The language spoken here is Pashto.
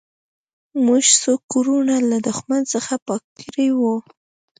موږ څو کورونه له دښمن څخه پاک کړي وو